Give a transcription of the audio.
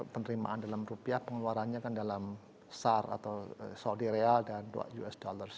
penerimaan dalam rupiah pengeluarannya kan dalam sar atau saudi real dan dua usd